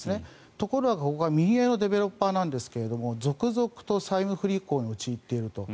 ところが、ここは民営のディベロッパーなんですが続々と債務不履行に陥っていると。